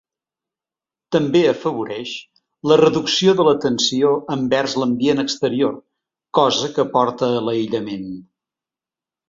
També afavoreix la reducció de l'atenció envers l'ambient exterior, cosa que porta a l'aïllament.